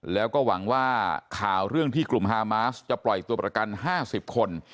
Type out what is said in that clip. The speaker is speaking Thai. แล้วก็หวังว่าข่าวเรื่องที่กลุ่มฮามาสจะปล่อยตัวประกัน๕๐คน